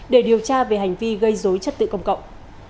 để điều tra về hành vi gây dối chất tự công cộng